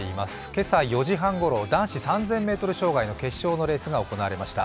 今朝４時半ごろ、男子３０００ｍ障害の決勝のレースが行われました。